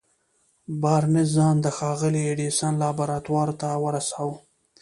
بارنس ځان د ښاغلي ايډېسن لابراتوار ته ورساوه.